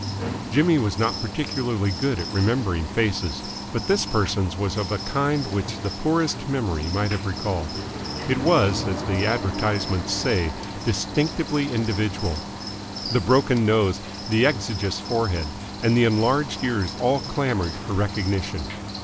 Jimmy was not particularly good at remembering faces, but this person's was of a kind which the poorest memory might have recalled. It was, as the advertisements say, distinctively individual. The broken nose, the exiguous forehead, and the enlarged ears all clamoured for recognition.